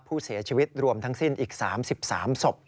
ผู้เสียชีวิตรวมทั้งสิ้นอีก๓๓ศพ